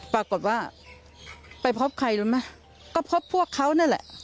ปรากฏว่าไปพบใครรู้ไหมก็พบพวกเขานั่นแหละ